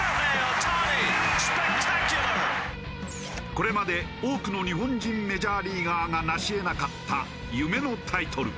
これまで多くの日本人メジャーリーガーが成し得なかった夢のタイトル